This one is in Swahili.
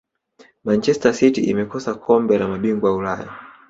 manchester city imekosa kombe la mabingwa ulaya